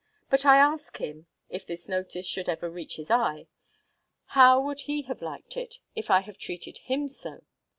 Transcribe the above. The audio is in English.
But I ask him, if this notice should ever reach his eye, how would he have liked it, if I had treated him so?